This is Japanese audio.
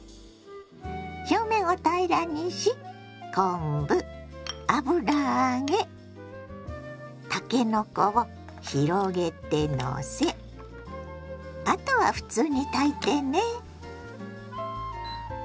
表面を平らにし昆布油揚げたけのこを広げてのせあとは普通に炊いてね。